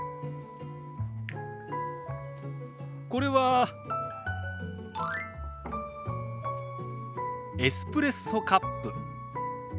これはエスプレッソカップ。